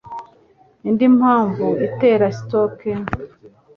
indi mpamvu itera stroke